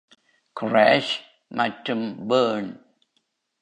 Crash மற்றும் burn.